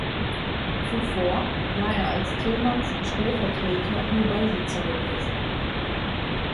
Zuvor war er als Tillmans Stellvertreter nur Beisitzer gewesen.